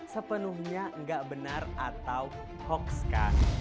sepenuhnya enggak benar atau hoax kah